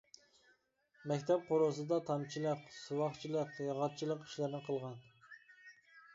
مەكتەپ قورۇسىدا تامچىلىق، سۇۋاقچىلىق، ياغاچچىلىق ئىشلىرىنى قىلغان.